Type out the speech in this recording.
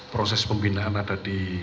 proses pembinaan ada di